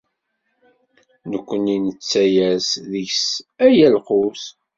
Nekni nettalas deg-s ala lqut.